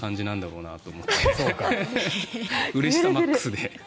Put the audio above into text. うれしさマックスで。